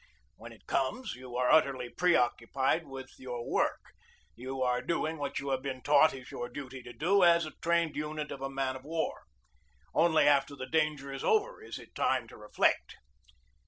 When it conies, you are utterly preoccupied with your work; you are doing what you have been taught is your duty to do as a trained unit on a man of war. Only after the danger is over is it time to reflect.